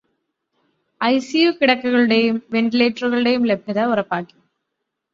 ICU കിടക്കകളുടേയും വെന്റിലേറ്ററുകളുടേയും ലഭ്യത ഉറപ്പാക്കി.